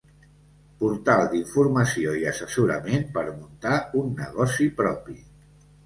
Portal d'informació i assessorament per muntar un negoci propi.